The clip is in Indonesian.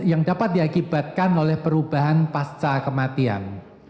yang dapat diakibatkan oleh perubahan pasca kematian